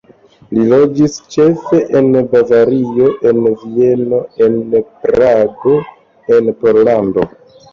Li loĝis ĉefe en Bavario, en Vieno, en Prago, en Pollando.